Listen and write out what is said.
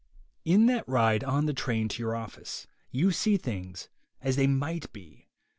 In that ride on the train to your office, you see things as they might be.